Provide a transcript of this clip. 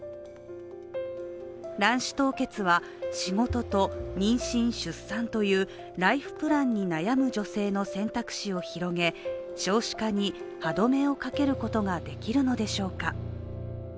卵子凍結は仕事と妊娠・出産というライフプランに悩む女性の選択肢を広げ少子化に歯止めをかけることができるのでしょうか。